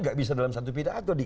tidak bisa dalam satu pidato